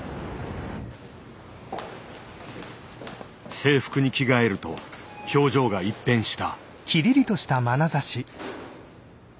制服に着替えると表情が一変した。